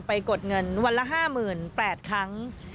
กดเงินวันละ๕๘๐๐๐ครั้ง